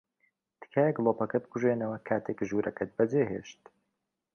تکایە گڵۆپەکە بکوژێنەوە کاتێک ژوورەکەت بەجێھێشت.